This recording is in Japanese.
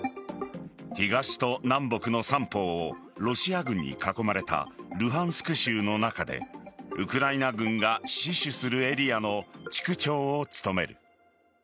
東と南北の三方をロシア軍に囲まれたルハンスク州の中でウクライナ軍が死守するエリアの地区長を務める。